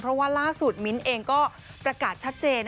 เพราะว่าล่าสุดมิ้นท์เองก็ประกาศชัดเจน